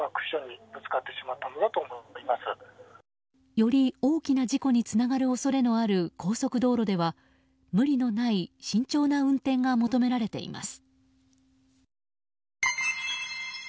より大きな事故につながる恐れのある、高速道路では無理のない慎重な運転が求められています。